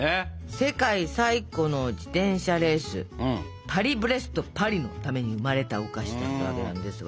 世界最古の自転車レース「パリ・ブレスト・パリ」のために生まれたお菓子だったわけなんですが。